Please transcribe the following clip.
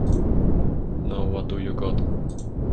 Now what do you got?